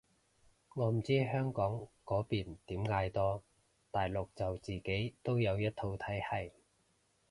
我唔知香港嗰邊點嗌多，大陸就自己都有一套體係